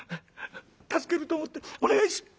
助けると思ってお願いし」。